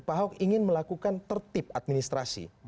pak ahok ingin melakukan tertib administrasi